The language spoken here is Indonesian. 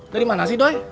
dari mana sih doi